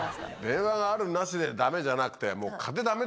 電話があるなしでダメじゃなくて。